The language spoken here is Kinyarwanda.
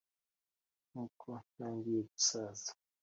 nkuko ntangiye gusaza?